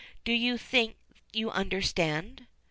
Do you think you understand?"